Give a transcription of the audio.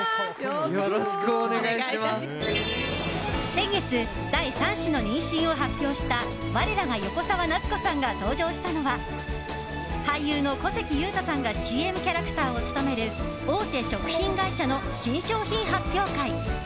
先月、第３子の妊娠を発表した我らが横澤夏子さんが登場したのは俳優の小関裕太さんがＣＭキャラクターを務める大手食品会社の新商品発表会。